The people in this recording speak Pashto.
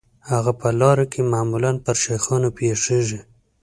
هغه په لاره کې معمولاً پر شیخانو پیښیږي.